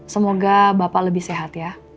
semoga bapak lebih sehat ya